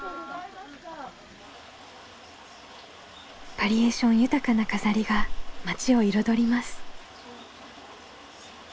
バリエーション豊かな飾りが町を彩ります。